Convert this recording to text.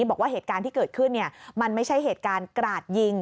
บอกว่าเหตุการณ์ที่เกิดขึ้นมันไม่ใช่เหตุการณ์กราดยิง